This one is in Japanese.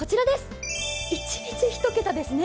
一日、１桁ですね。